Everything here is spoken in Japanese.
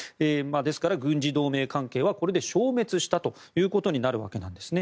ですから、軍事同盟関係はこれで消滅したということになるわけです。